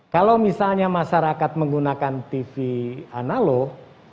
kalau misalnya masyarakat menggunakan tv analog